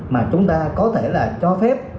mà chúng ta có thể là cho phép